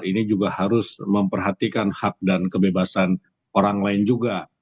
ini juga harus memperhatikan hak dan kebebasan orang lain juga